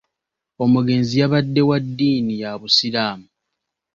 Omugenzi yabadde wa dddiini ya busiraamu.